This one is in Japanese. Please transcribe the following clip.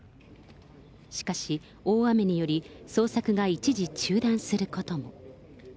しかし、大雨により、捜索が一時中断することも。